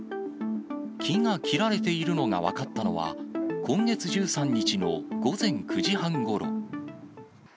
木が切られているのが分かったのは、今月１３日の午前９時半ごろ。